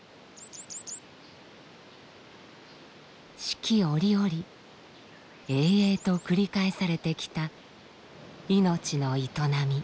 四季折々営々と繰り返されてきた命の営み。